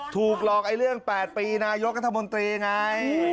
ถูกหลอกไอ้เรื่อง๘ปีนายกรัฐมนตรีไง